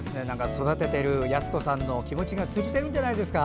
育てている康子さんの気持ちが通じてるんじゃないですか。